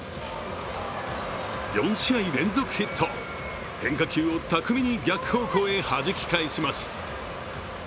４試合連続ヒット、変化球を巧みに逆方向へはじき返します。